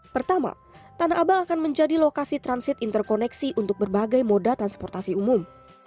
pertama tanah abang akan menjadi lokasi transit interkoneksi untuk berbagai moda transportasi umum